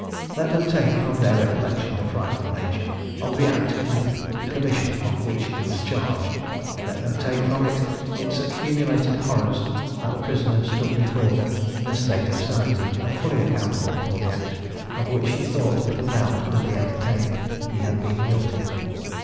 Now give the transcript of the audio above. Let them take from their recollection the frightful nature of the act with the commission of which he was charged, let them take from it its accumulated horrors, and the prisoner stood before them in a state of sanity, and fully accountable for the act, of which, he thought, little doubt could be entertained he had been guilty.